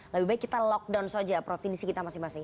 lebih baik kita lockdown saja provinsi kita masing masing